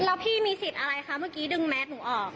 แล้วพี่มีสิทธิ์อะไรคะเมื่อกี้ดึงแมสหนูออก